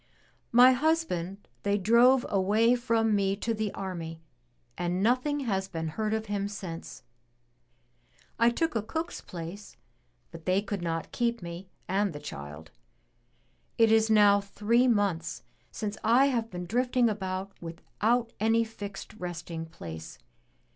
*'My husband they drove away from me to the army and nothing has been heard of him since. I took a cook's place but they could not keep me and the child. It is now three months since I have been drifting about without any fixed resting place.